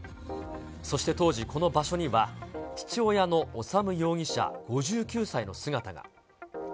そして当時、この場所には父親の修容疑者５９歳の姿が。